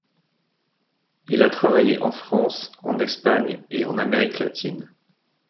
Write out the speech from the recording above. Il a travaillé en France, en Espagne et en Amérique latine.